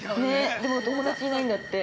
でも友達いないんだって。